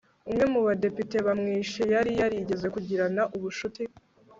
umwe mu badepite bamwishe yari yarigeze kugirana ubucuti